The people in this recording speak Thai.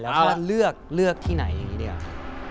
แล้วเลือกที่ไหนอย่างนี้ดีกว่า